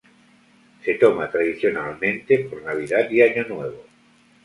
Se toma tradicionalmente por Navidad y Año Nuevo.